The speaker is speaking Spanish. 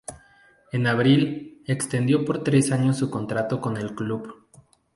En abril, extendió por tres años su contrato con el club.